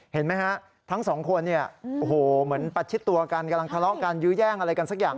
เห็นไหมฮะทั้งสองคนเนี่ยโอ้โหเหมือนประชิดตัวกันกำลังทะเลาะกันยื้อแย่งอะไรกันสักอย่าง